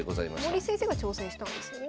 森先生が挑戦したんですよね。